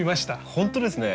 本当ですね。